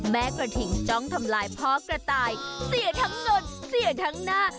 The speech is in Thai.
แม่กระถิ่งจ้องทำลายพ่อกระต่ายเสียทั้งเงินเสียทั้งหน้า